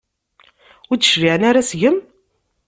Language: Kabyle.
Ur d-cliɛen ara seg-m?